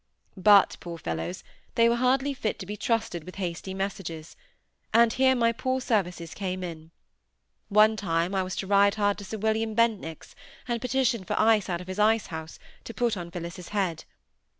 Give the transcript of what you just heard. But, poor fellows, they were hardly fit to be trusted with hasty messages, and here my poor services came in. One time I was to ride hard to Sir William Bentinck's, and petition for ice out of his ice house, to put on Phillis's head.